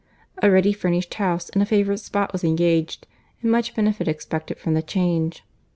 A ready furnished house in a favourite spot was engaged, and much benefit expected from the change.